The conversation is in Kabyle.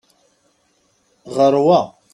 Ɣeṛ wa!